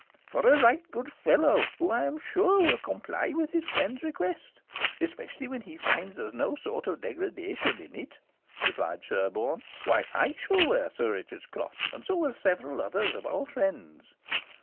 "For a right good fellow, who I am sure will comply with his friend's request, especially when he finds there is no sort of degradation in it," replied Sherborne. "Why, I shall wear Sir Richard's cloth, and so will several others of our friends.